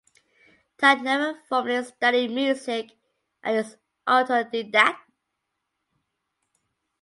Tal never formally studied music and is autodidact.